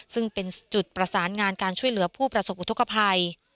ซึ่งเป็นจุดประสานงานการช่วยเหลือผู้ประสบอุทธกภัย